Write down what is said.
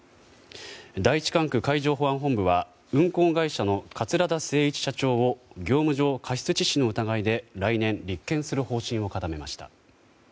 第１管区海上保安本部は運航会社の桂田精一社長を業務上過失致死の疑いで来年立件する方針を固めました。